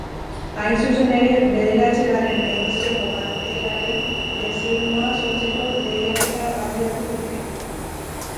Hain zuzen ere, bederatzigarren edizioko kartelaren diseinua sortzeko lehiaketa abiatu dute.